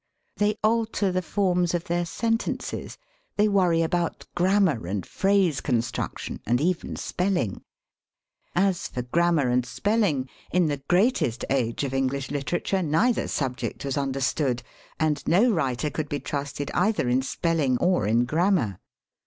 They alter the forms of their sentences. They worry about grammar and phrase const ruction and even spelling. As for grammar and spelling, in the greatest age of Eng lish literature neither subject was understood, and no writer could be trusted either in spelling or in grammar.